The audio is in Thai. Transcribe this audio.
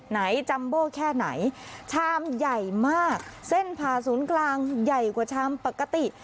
จัมโบแค่ไหนชามใหญ่มากเส้นผ่าศูนย์กลางใหญ่กว่าชามปกติ